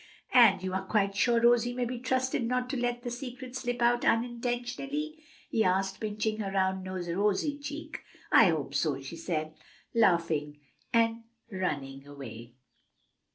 "And you are quite sure Rosie may be trusted not to let the secret slip out unintentionally?" he asked, pinching her round rosy cheek. "I hope so," she said, laughing and running away.